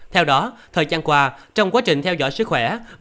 theo đó thời gian qua trong quá trình theo dõi sức khỏe